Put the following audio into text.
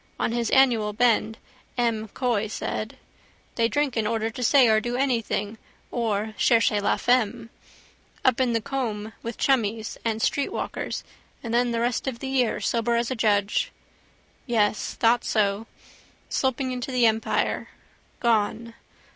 On his annual bend, M'Coy said. They drink in order to say or do something or cherchez la femme. Up in the Coombe with chummies and streetwalkers and then the rest of the year sober as a judge. Yes. Thought so. Sloping into the Empire. Gone.